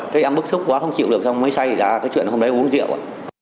thế em bức xúc quá không chịu được xong mới xây ra cái chuyện hôm bé uống rượu